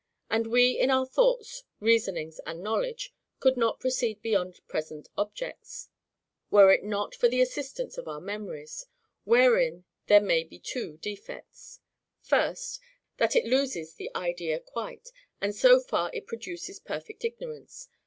And we in our thoughts, reasonings, and knowledge, could not proceed beyond present objects, were it not for the assistance of our memories; wherein there may be two defects:— First, That it loses the idea quite, and so far it produces perfect ignorance.